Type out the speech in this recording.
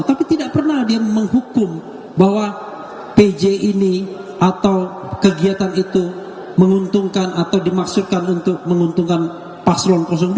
tapi tidak pernah dia menghukum bahwa pj ini atau kegiatan itu menguntungkan atau dimaksudkan untuk menguntungkan paslon dua